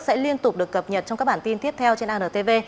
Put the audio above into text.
sẽ liên tục được cập nhật trong các bản tin tiếp theo trên antv